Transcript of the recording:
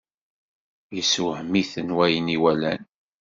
Yessewhem-iten wayen i walan.